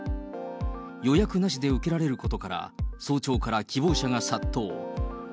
予約なしで受けられることから、早朝から希望者が殺到。